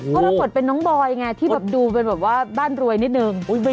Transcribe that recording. เพราะเราปลดเป็นน้องบอยที่ดูแบบว่าบ้านรวยนิดนึง